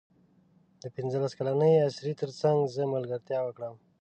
د پنځلس کلنې اسرې تر څنګ زه ملګرتیا وکړم.